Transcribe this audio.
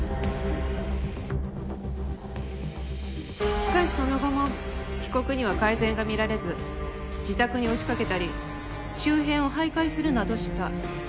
しかしその後も被告には改善が見られず自宅に押しかけたり周辺を徘徊するなどした。